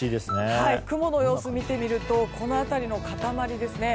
雲の様子を見てみるとこの辺りの塊ですね。